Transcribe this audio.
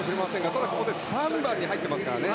ただ、ここで３番に入っていますからね。